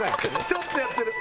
ちょっとやってる。